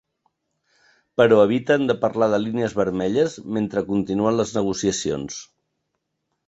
Però eviten de parlar de línies vermelles mentre continuen les negociacions.